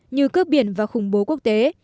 như cướp biển và khủng bố quốc tế